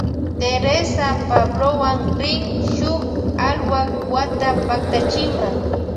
Teresa Pablowan rin shuk alwak wata paktachima.